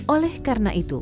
oleh karena itu